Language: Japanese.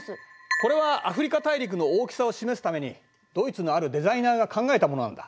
これはアフリカ大陸の大きさを示すためにドイツのあるデザイナーが考えたものなんだ。